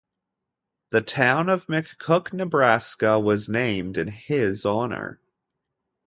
The town of McCook, Nebraska, was named in his honor.